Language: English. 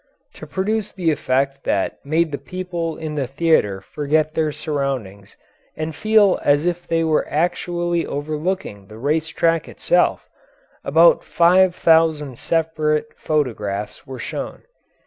To produce the effect that made the people in the theatre forget their surroundings and feel as if they were actually overlooking the race track itself, about five thousand separate photographs were shown.